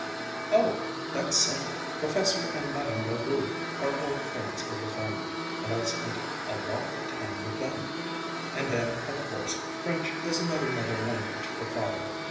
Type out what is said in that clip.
"Oh, that's simple! Professor and Madame La Rue are old friends of the family and I've spent a lot of time with them. And then, of course, French is another mother language for Father.